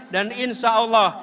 dan insya allah